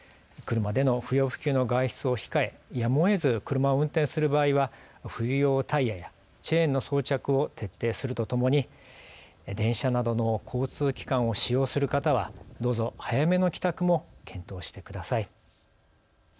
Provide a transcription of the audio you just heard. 車での不要不急の外出を控えやむをえず車を運転する場合は冬用タイヤやチェーンの装着を徹底するとともに電車などの交通機関を使用する方はどうぞ早めの帰宅も検討してください。